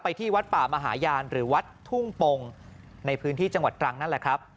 ที่วัดป่ามหาญาณหรือวัดทุ่งปงในพื้นที่จังหวัดตรังนั่นแหละครับ